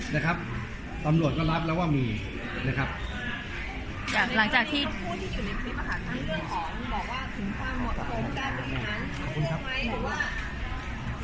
นะครับตำรวจก็รับแล้วว่ามีนะครับหลังจากที่